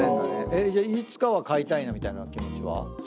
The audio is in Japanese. いつかは買いたいなみたいな気持ちは？